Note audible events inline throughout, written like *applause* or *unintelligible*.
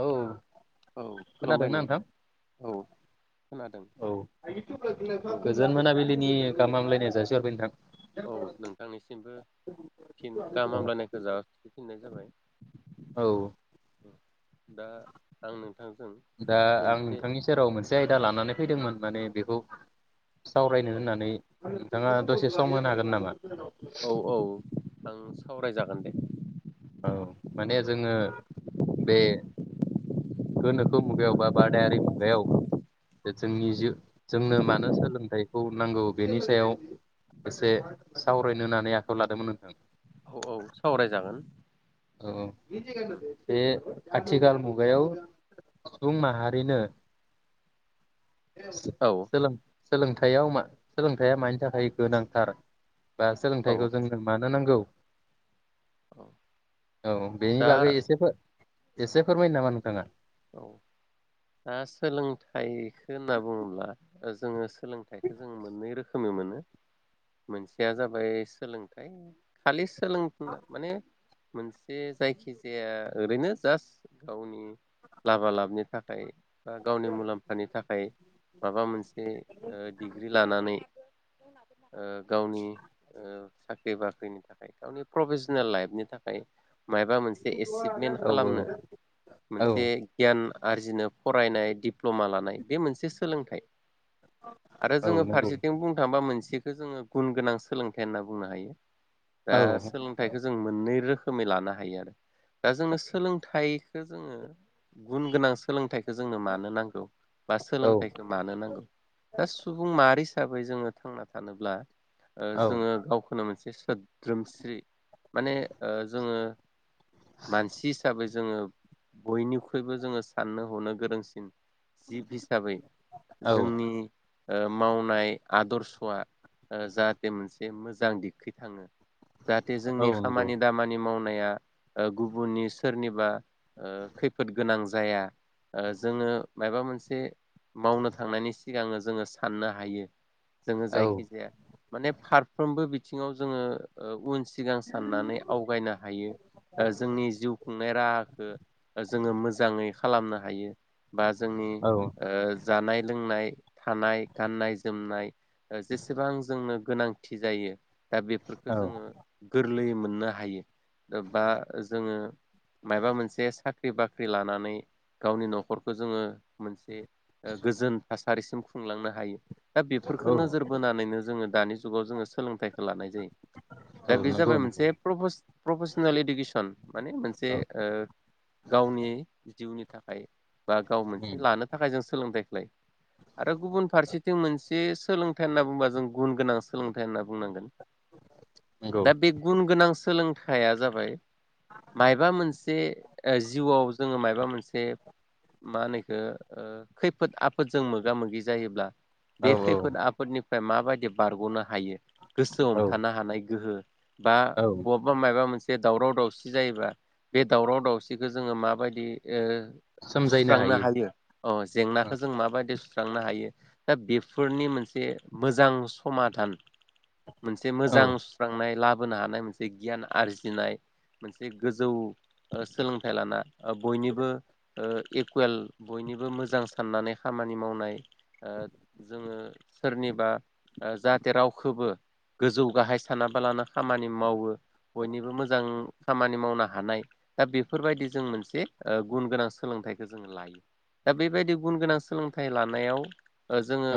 औ औ खुलुमबाय खोनादोंना नोंथां औ खोनादों औ औ गोजोन मोनाबिलिनि गाहाम हामलायनाय जासि हरबाय नोंथां औ नोंथांनिसिमबो फिन गाहाम हामलानायखौ जासिफिननाय जाबाय औ दा आंनो दा आं नोंथांनि सेराव मोनसे आय दा लानानै फैदोंमोन माने बेखौ सावरायनो औ होननानै नोंथाङा दसे सम होनो हागोन नामा औ औ आं सावराय जागोन दे औ माने जोङो बे गोनोखो मुगायाव बा बादायारि मुगायाव जोंनि जि जोंनो मानो सोलोंथाइखौ नांगौ बेनि सायाव एसे सावरायनो होननानै आखायाव लादोंमोन नोंथां औ औ सावरायजागोन औ बे आथिखाल मुगायाव सुबुं माहारिनो औ सोलों सोलोंथायाव मा सोलोंथाया मानि थाखाय गोनांथार बा औ सोलोंथाइखौ जोंनो मानो होनांगौ औ औ बेनि दा बागै एसे बो एसे फोरमायनो नामा नोंथाङा औ दा सोलोंथाइखो होनना बुंङोब्ला जोंङो सोलोंथाइखो जों मोननै रोखो खोमै मोनो मोनसेया जाबाय सोलोंथाइ खालि सोलों फुंनाय माने मोनसे जायखिजाया ओरैनो जास्ट गावनि लाबा लाबनि थाखाय बा गावनि मुलाम्फानि थाखाय माबा मोनसे ओ डिग्रि लानानै औ गावनि साख्रि बाख्रिनि थाखाय गावनि प्रफेसनेल लाइफनि थाखाय मायबा मोनसे एसिभमेन्ट औ खालामनो औ मोनसे जे गियान आरजिनो फरायनाय डिप्ल'मा लानाय बे मोनसे सोलोंथाइ। आरो औ जोंङो नंगौ फारसेथिं बुंनो थांबा मोनसे बिखौ जोंङो गुन गोनां सोलोंथाइ होनना बुंनो हायो दा औ सोलोंथाइखौ जों मोननै रो रोखोमै लानो हायो आरो दा जोंनो सोलोंथाइखो जोङो गुन गोनां सोलोंथाइखो जोंनो मानो नांगौ बा औ सोलोंथाइखो मानो नांगौ दा सुबुं माहारि हिसाबै जोंङो थांना थानोब्ला ओ औ जोङो गावखौनो मोनसे बे सोद्रोमस्रि माने ओ जोङो मानसि हिसाबै जोङो बयनि फैबो जोंङो साननो हनो गोरोंसिन जिब हिसाबै औ जोंनि ओ मावनाय आदर्शआ ओ जाहाथे मोनसे मोजां दिगखै थाङो जाहाथे औ जोंनि नंगौ खामानि दामानि मावनो नाया ओ गुबुननि सोरनिबा ओ खै फोद गोनां जाया ओ जोंङो माबा मोनसे मावनो थांनायनि सिगां जोंङो साननो हायो। जोङो औ जायखिजाया माने फारफ्रोमबो बि थिंङाव जोङो ओ उनसिन सिगां साननानै आवगायनो हायो ओ जोंनि जिउ खुंनाय राहाखो जोंङो मोजांङै खालामनो हायो। बा जोंनि औ ओ जानाय लोंनाय थानाय गाननाय-जोमनाय जेसेबां जोंनो गोनांथि जायो। दा बेफोरखो जोङो गोरलैयै मोननो हायो बा जोङो मायोबा मोनसे सा ख्रि-बाख्रि लानानै गावनि न'खरखौ जोंङो मोनसे ओ गोजोन थासारिसिम खुंलांनो हायो। दा बेफोरखौ औ नोजोर बोनानैनो जोंङो दानि जु जुगाव जोंङो सोलोंथाइ लानाय जायो औ दा बे नंगौ जाबाय नंगौ मोनसे प्रपस प्रफेसनेल इडुकेसन माने मोनसे औ ओ *unintelligible* जिउनि थाखाय बा गाव मोनसे उम लानो थाखाय जों सोलोंथाइ लाय आरो गुबुन फारसेथिं मोनसे सोलोंथाइ होनना बुंबा जों गुन गोनां सोलोंथाइ होनना बुंनांगोन नंगौ दा बे गुन गोनां सोलोंथाइया जाबाय मामोबा मोनसे ओ जिउवाव जोङो मायबा मोनसे मा होनो इखो ओ खैफोद आफोदजों मोगा मोगि जायोब्ला औ बे औ खैफोद आफोदनि दा माबायदि बारग'नो हायो? गोसो औ हमथानो हानाय गोहो बा औ बहाबा मायबा मोनसे जे दावराव दावसि जायोबा बे दावराव दावसि बिखो जोङो माबायदि ओ सुस्रांनो हायो अ औ जेंनाखौ जों माबादि लांनो हायो दा बेफोरनि मोनसे मोजां समादान मोनसे औ मोजां सुस्रांनाय लाब हानाय मोनसे गियान आरजिनाय मोनसे गोजौ सोलों फिथाइ लाना ओ बयनिबो इकुवेल बयनिबो मोजां साननानै खामानि मावनाय जोङो सोरनिबा जाहाथे रावखौबो गोजौ गाहाय सानाबालानो खामानि मावो बयनिबो मोजां खामानि मावनो हानाय दा बे बेफोरबायदि जों मोनसे गुन गोनां सोलोंथाइखौ जोङो लायो दा बेबायदि गुन गोनां सोलोंथाइ लानायाव जोङो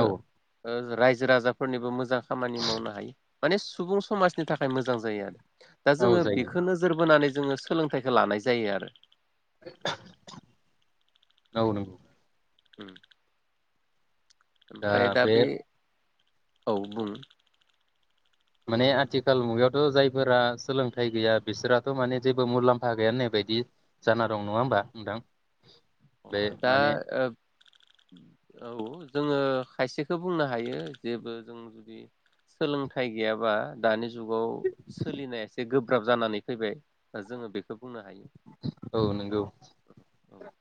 ज रायजो राजाफोरनिबो मोजां खामानि मावनो हायो माने सुबुं समाजनि थाखाय मोजां जायो आरो दा औ जोङो जायो बेखौ नोजोर बोनानै जोङो सोलोंथाइखो लानाय जायो आरो नंगौ नंगौ उ ओमफ्राय दा बि औ बुं माने आथिखाल मुगायावथ' जायफोरा सोलोंथाइ गैया बिसोराथ' माने जेबो मुलाम्फा गैया होननाय बायदि जाना दं नङा होमबा नोंथां? अ बे दा माने ओब औ जोङो खायसेखौ बुंनो हायो जेबो जों जुदि सोलोंथाइ गैयाबा दानि जुग जुगाव सोलिनाया एसे गोब गोब्राब जानानै फैबाय ओ जोङो बेखौ बुंनो हायो औ नोंगौ। औ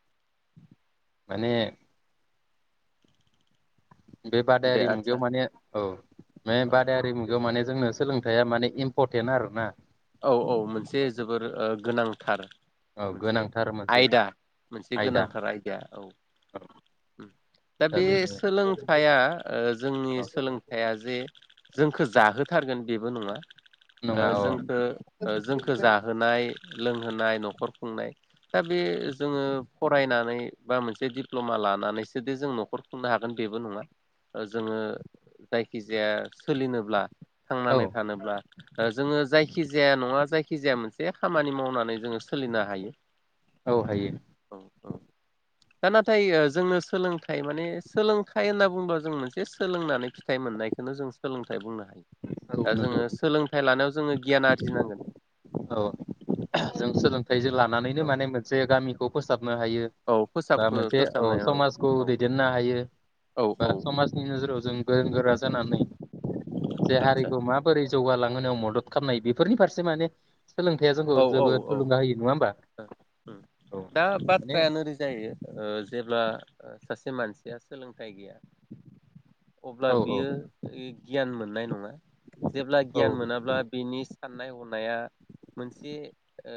माने बे दे बादायारि मुगायाव आदसा माने औ बे बादायारि मुगायाव माने जोंनो सोलोंथाइया माने इमफ फरटेन आरोना। औ औ मोनसे औ जोबोर ओ गोनांथार औ मोनसे गोनांथार मोनसे आयदा मोनसे आयदा गोनांथार आयदा औ उम दा बे सोलोंथाइया ओ जोंनि औ सोलोंथाइया जे जोंखो जाहोथारगोन बेबो नङा नङा अ। ओ जोंखो ओ जोंखो जाहोनाय लोंहोनाय न'खर खुंनाय दा बे जोङो फरायनानै बा मोनसे दिप्ल'मा लानानैसोदि जों न'खर खुंनो हागोन बेबो नङा ओ जोङो जायखि जाया सोलिनोब्ला औ थांनानै थानोब्ला ओ जोङो जायखि खि जाया नङा जायखिजाया मोनसे खामानि मावनानै जोङो सोलिनो हायो। औ हायो। औ औ दा नाथाय ओ जोंनो सोलोंथाइ माने सोलोंथाइ होनना बुंबा जों मोनसे सोलोंनानै फिथाइ मोननायखोनो जों सोलोंथाइ बुंनो हायो। औ दा नंगौ जोङो सोलोंथाइ लानायाव जोङो गियान आरजिनांगोन औ जों सोलोंथाइजों लानानैनो औ माने मोनसे गामिखौ फोसाब नो हायो औ बा फोसाब मोनसे अ फोसाबनाय औ समाजखौ औ दैदेनो हायो औ बा औ समाजनि नोजोराव जों गोरों गोरा जानानै मोनसे आदसा हारिखौ माबोरै जौगालां मावनायाव मदद खामनाय बेफोरनि फारसे माने सोलोंथाइया औ जोंखौ औ औ जोबोद ओ ओ थुलुंगा होयो नङा होमबा उम दा माने बाथ्राया नोरै जाहैयो ओ जेब्ला ओ सासे से मानसिया सोलोंथाइ गैया अब्ला औ बियो यै गियान मोननाय नङा। जेब्ला औ गियान मोनाब्ला बिनि साननाय हनाया मोनसे ओ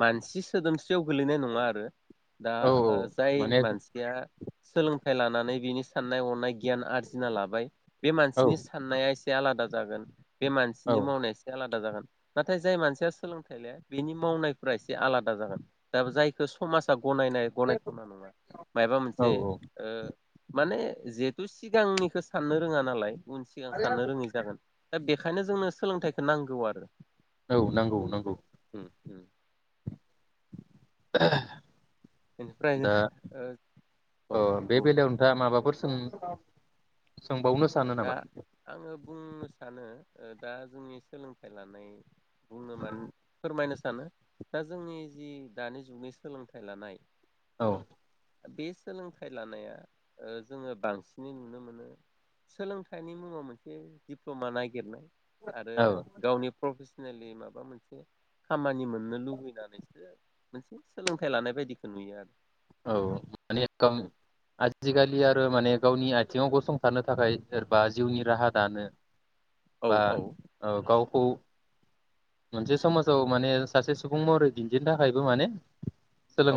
मानसि सोदोमस्रि खासेयाव गोलैनाय नङा आरो दा औ जाय माने मानसिया सोलोंथाइ लानानै बिनि साननाय हनाय गियान आरजिना लाबाय बे औ मानसिनि साननाया एसे से आलादा जागोन बे औ मानसिनि मावनाया एसे आलादा जागोन थाय जाय मानसिया सोलोंथाइ लाया बिनि मावनायफोरा एसे आलादा जागोन दाबो जायखौ समाजा गनायनाय गनायथावना नङा माबा औ मोनसे माने जिहेथु सिगांनिखो साननो रोङा नालाय उन सिगां साननो रोङै जागोन दा बे खायनो जोंनो सोलोंथाइखौ नांगौ आरो औ नांगौ नांगौ *unintelligible* दा बेनिफ्रायनो ओ औ बे बेलायाव नोंथाङा माबाफोर उम दा आङो बुंनो सानो दा जोंनि सोलोंथाइ लानाय बुङोमोन फोरमायनो सानो दा जोंनि जि दानि जुगनि सोलोंथाइ लानाय औ बे सोलोंथाइ लानाया जोङो बांसिनै नुनो मोनो सोलोंथाइनि मुङाव मोनसे दिप्लमा नागिरनाय आरो औ गावनि प्रफेसन माबा मोनसे खामानि मोननो लुबैनानैसो मोनसे सोलोंथाइ लानाय बायदिखौ नुयो आरो औ मानि आजिखालि आरो माने गावनि आथिङाव गसंथानो थाखाय सोरबा जिउनि राहा दानो औ बा औ गाव खौ मोनसे समाजाव माने सासे सुबुं महरै दिन्थिनो थाखायबो माने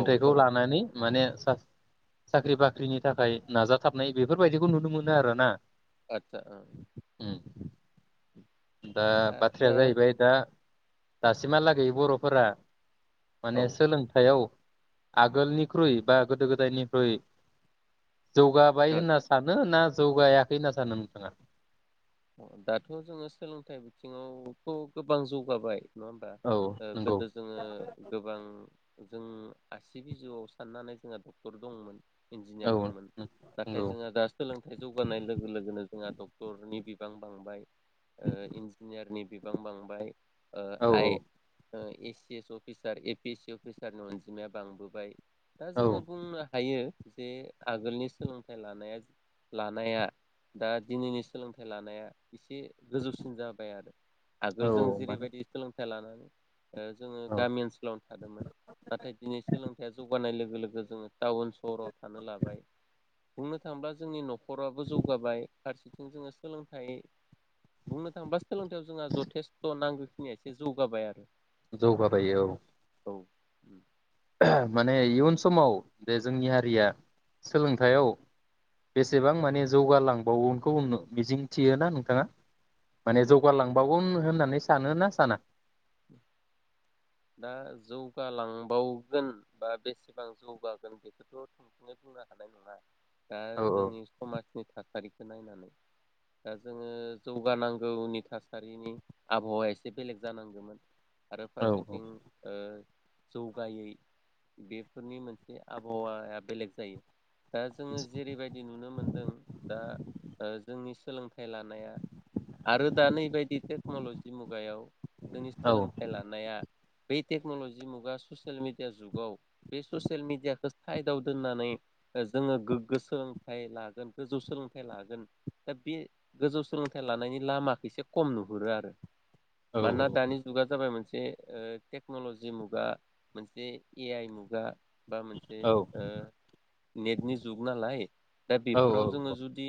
औ औ लानानै माने साख्रि बाख्रिनि थाखाय नाजाथाबनाय बेफोरबायदिखौ नुनो मोनो आरो ना आतसा दा बाथ्राया जाहैबाय दा दासिमहालागै बर'फोरा ओ औ माने सोलोंथायाइाव आगोलनिख्रुइ बा गोदो गोदायनिख्रुइ जौगाबाय आतसा होनना सानो ना जौगाखै होनना सानो नोंथाङा दाथ' जोङो सोलोंथाइ बिथिङावथ' गोबां जौगाबाय नङा होमबा औ ओ नंगौ गोदो जोङो गोबां जों आसि बिजौआव साननानै जोंहा डक्टर दंमोन औ इन्जिनियार दंमोन नंगौ नाथाय जोंहा दा सोलोंथाइ जौगानाय लोगो लोगोनो जोंहा डक्टरनि बि बिबां बांबाय इन्जिनियारनि बिबां बांबाय औ I S C S officer A P S C अफिसारनि अनजिमाया बांबोबाय दा औ जोङो बुंनो हायो जे आगोलनि सोलोंथाइ लानाया लानाया दा दिनैनि सोलोंथाइ फिथाइ लानाया एसे गोजौसिन जाबाय आरो आगोल जों औ माने जेरैबायदि सोलोंथाइ लानानानै जोङो औ गामि ओनसोलावनो थादोंमोन नाथाय दिनै सोलोंथाइया जौ जौगानाय लोगो लोगो जोङो टाउन सहराव थानो लाबाय बुंनो थाङोब्ला जोंनि न'खराबो जौगाबाय फारसेथिं जोङो सोलोंथाइ बुंनो थाङोबा सोलोंथाइयाव जोंहा जथेस्थ' नांगौ निया एसे जौगाबाय आरो जौ बाबायो औ औ माने इयुन समाव जे जोंनि हारिया सोलोंथाइयाव बेसेबां माने जौगालांबावोनखौ मिजिंथियोना नोंथाङा औ माने जौगालांबाबोन होननानै सानोना साना *inaudible* दा जौगालांबावगोन बा बेसेबां जौगागोन बेखौथ' थोंजोङै बुंनो हानाय नङा दा औ जोंनि समाजनि थासारि बे नायनानै दा जोङो जौगानांगौनि थासारिनि आबहावाया एसे बेलेग जानांगौमोन आरो औ फारसेथि थिं ओ जौगायै बेफोरनि मोनसे आबहावाया बेलेग जायो। दा जोङो जेरैबायदि नुनो मोनदों दा जोंनि सोलोंथाइ लानाया आरो दा नैबायदि टेक्न'लजि मुगायाव जोंनि औ सोलोंथाइ लानाया बे टेक्नलजि मुगा ससियेल मिडिया जुगाव बे ससियेल मिडियाखौ साइदआव दोननानै जोङो गोग्गो सोलोंथाइ लागोन गोजौ सोलोंथाइ लागोन दा बे गोजौ सोलोंथाइ लानायनि लामाखौ एसे खम नुहुरो आरो। औ मानोना दानि जगा जाबाय मोनसे दे टेक्न'लजि मुगा मोनसे ए आइ मुगा बा मोनसे औ ओ नेटनि जुग नालाय दा औ बेफोराव जोङो जुदि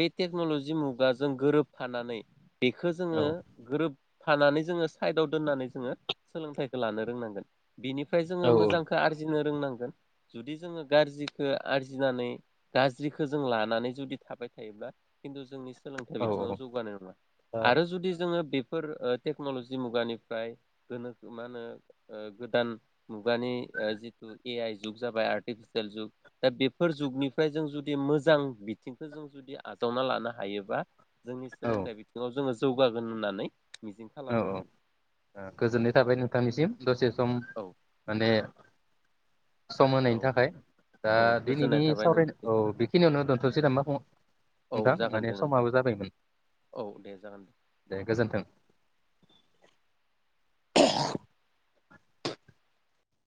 बे टेक्न'ल'जि मुगाजों गोरोबफानानै बेखो औ जोङो गोरोब थानानै जोङो साइदाव दोननानै जोङो सोलोंथाइखौ लानो रोंनांगोन बिनिफ्राय औ जोङो मोजांखौ आरजिनो फोरोंनांगोन जुदि जोङो गाज्रिखौ आरजिनानै गाज्रिखौ जों लानानै जुदि थाबाय थायोब्ला खिन्थु जोंनि सोलोंथाइ बिथिङाव औ जौगानोब्ला आरो जुदि जोङो बे फोर टेक्न'ल'जि मुगानिफ्राय गोनोखो मा होनो गोदान मुगानि जिथु ए आइ जुग जाबाय आर्टिफिसियेल जुग दा बेफोर जुगनिफ्राय जों जुदि मोजां बिथिंखौ जों जुदि आजावना लानो हायोबा जोंनि औ सोलोंथाइ बिथिङाव जोङो जौगागोन होननानै मिजिं औ खालामनो हायो गोजोननाय थाबाय नोंथांनिसिम दसे सम औ माने सम औ होनायनि थाखाय दा औ गोजोननाय दिनैनि थाबाय सावरायनाय नोंथांनिसिम औ बेखिनियावनो दोनथ'सै ना मा फुङ औ नोंथां जागोन माने दे नोंथां समाबो जाबायमोन औ दे जागोन दे दे गोजोन्थों *inaudible* *unintelligible*